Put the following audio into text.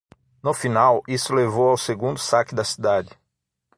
No final, isso levou ao segundo saque da cidade.